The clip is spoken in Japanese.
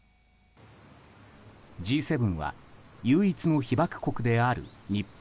Ｇ７は唯一の被爆国である日本。